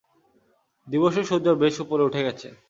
দিবসের সূর্য বেশ উপরে উঠে গেছে।